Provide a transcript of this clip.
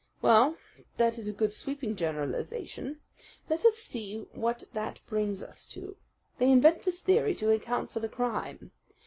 Well, that is a good sweeping generalization. Let us see what that brings us to. They invent this theory to account for the crime.